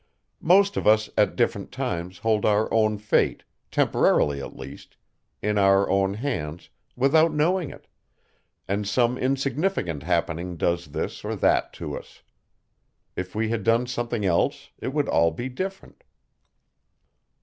Most of us at different times hold our own fate, temporarily at least, in our own hands without knowing it, and some insignificant happening does this or that to us. If we had done something else it would all be different."